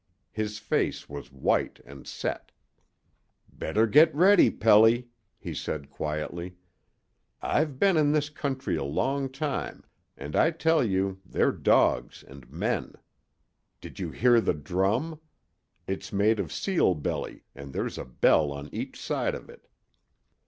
His face was white and set. "Better get ready, Pelly," he said, quietly. "I've been in this country a long time, and I tell you they're dogs and men. Did you hear the drum? It's made of seal belly, and there's a bell on each side of it.